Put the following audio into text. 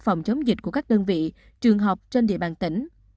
phòng chống dịch của các đơn vị trường học trên địa bàn tỉnh